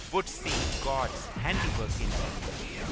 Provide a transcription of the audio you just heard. Wouldst see God's handiwork indeed?